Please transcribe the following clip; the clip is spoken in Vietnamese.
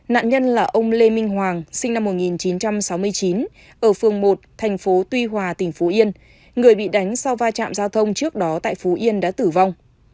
nạn nhân là ông lê minh hoàng sinh năm một nghìn chín trăm sáu mươi chín ở phường một thành phố tuy hòa tỉnh phú yên người bị đánh sau va chạm giao thông trước đó tại phú yên đã tử vong